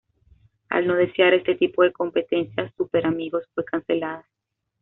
Al no desear ese tipo de competencia, "Súper Amigos" fue cancelada.